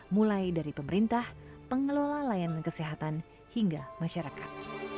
mulai dari pemerintah pengelola layanan kesehatan hingga masyarakat